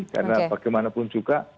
karena bagaimanapun juga